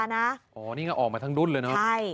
นี้ออกมาทั้งดุจเลยเนี่ย